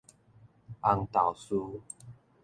紅豆嶼